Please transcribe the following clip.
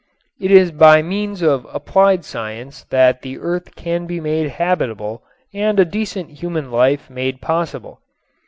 It is by means of applied science that the earth can be made habitable and a decent human life made possible.